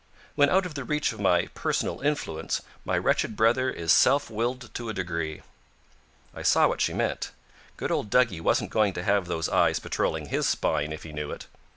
When out of the reach of my personal influence, my wretched brother is self willed to a degree." I saw what she meant. Good old Duggie wasn't going to have those eyes patrolling his spine if he knew it.